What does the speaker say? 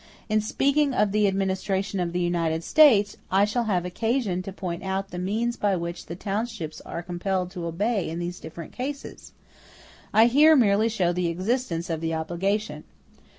In speaking of the administration of the United States I shall have occasion to point out the means by which the townships are compelled to obey in these different cases: I here merely show the existence of the obligation.